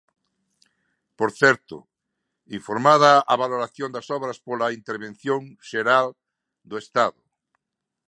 Por certo, informada a valoración das obras pola Intervención Xeral do Estado.